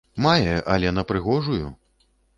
Мае, але на прыгожую!